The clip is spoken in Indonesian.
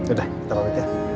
udah kita pamit ya